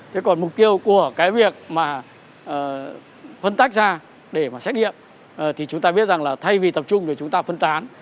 thế còn mục tiêu của cái việc mà phân tách ra để mà xét nghiệm thì chúng ta biết rằng là thay vì tập trung để chúng ta phân tán